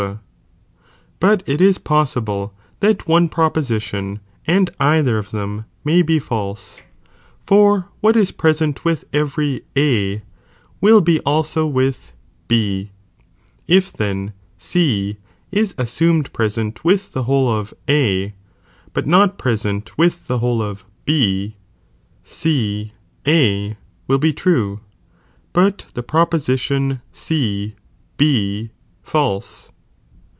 prop, la But it is possible that one proposition, and either "■ of them, may be false, for what is present with I BecauBo B ii evcry A, will be also with B,| if then C is as ■peciH of A. aunied present with the whole of A, but not pre sent with the whole of B, C A will be true, but the proposi tion C B false.